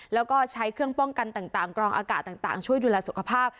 แล้วก็ใช้เครื่องป้องกันต่างกรองอากาศต่างช่วยดูแลสุขภาพ